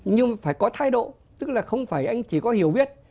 nhưng phải có thay độ tức là không phải anh chỉ có hiểu biết